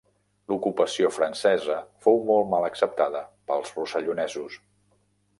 L'ocupació francesa fou molt mal acceptada pels rossellonesos.